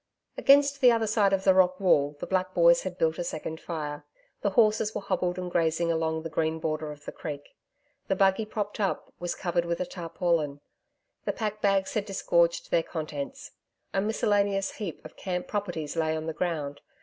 Against the other side of the rock wall, the black boys had built a second fire. The horses were hobbled and grazing along the green border of the creek. The buggy propped up, was covered with a tarpaulin. The pack bags had disgorged their contents. A miscellaneous heap of camp properties lay on the ground.